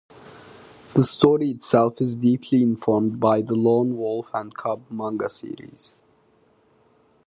The story itself is deeply informed by the "Lone Wolf and Cub" manga series.